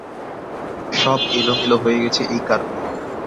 সব এলোমেলো হয়ে গেছে এই কারণেই।